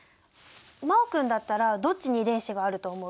真旺君だったらどっちに遺伝子があると思う？